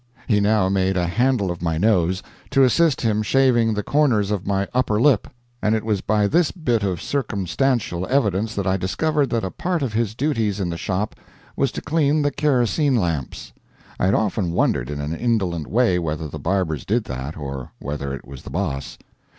He now made a handle of my nose, to assist him shaving the corners of my upper lip, and it was by this bit of circumstantial evidence that I discovered that a part of his duties in the shop was to clean the kerosene lamps. I had often wondered in an indolent way whether the barbers did that, or whether it was the boss.